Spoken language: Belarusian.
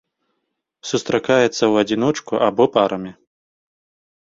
Сустракаецца ў адзіночку або парамі.